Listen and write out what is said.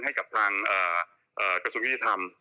พี่หนุ่ม